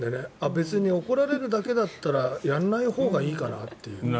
別に怒られるだけならやらないほうがいいかなって。